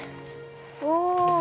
お。